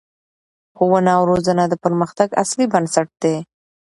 ښوونه او روزنه د پرمختګ اصلي بنسټ دی